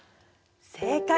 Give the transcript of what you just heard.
正解。